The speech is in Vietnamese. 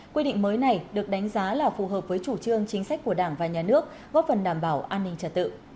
quy định mới này được đánh giá là phù hợp với chủ trương chính sách của đảng và nhà nước góp phần đảm bảo an ninh trật tự